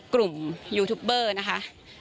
กลุ่มยูทูปเบอร์นะคะ